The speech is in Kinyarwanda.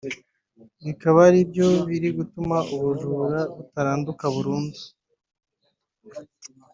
bikaba ari byo biri gutuma ubujura butaranduka burundu